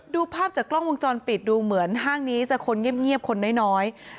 ดูภาพจากกล้องวงจรปิดดูเหมือนห้างนี้จะคนเงียบคนน้อย